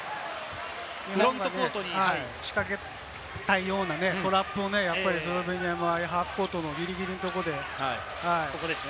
フロントコートに仕掛けたようなトラップも、ハーフコートのギリギリのところで。